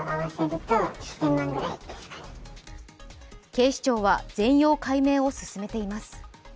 警視庁は全容解明を進めています。